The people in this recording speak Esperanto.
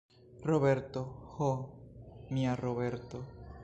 Roberto, ho, mia Roberto!